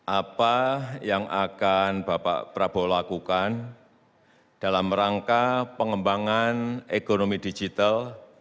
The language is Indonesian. apa yang akan bapak prabowo lakukan dalam rangka pengembangan ekonomi digital